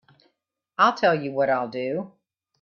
I'll tell you what I'll do.